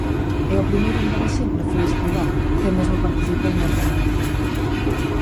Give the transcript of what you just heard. E o primeiro en dar exemplo foi Escribá, que mesmo participou nos rondos.